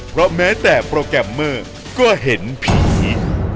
เพราะแม้แต่โปรแกรมเมอร์ก็เห็นผี